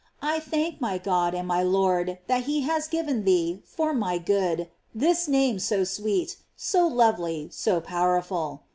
I thank my God and my Lord that he has given GLORIES OF MARY. 321 thee, for my good, this name so sweet, so lovely, so powerful.